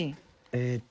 えっと。